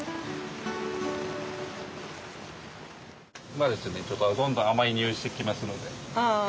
今はちょっとどんどん甘い匂いしてきますので。